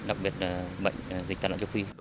đặc biệt là bệnh dịch tả lợn châu phi